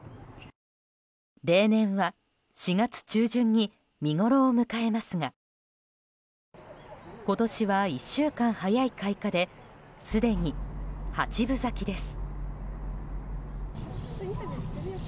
例年は４月中旬に見ごろを迎えますが今年は１週間早い開花ですでに八分咲きです。